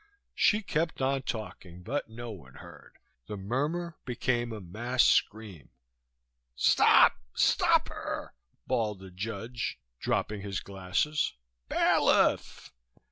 She kept on talking, but no one heard. The murmur became a mass scream. "Stop, stop her!" bawled the judge, dropping his glasses. "Bailiff!"